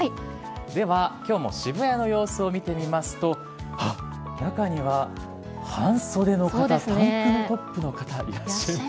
では、きょうも渋谷の様子を見てみますと、あっ、中には半袖の方、タンクトップの方、いらっしゃいますね。